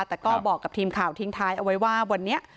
แต่ก็บอกกับทีมข่าวทิ้งท้ายเอาไว้ว่าวันนี้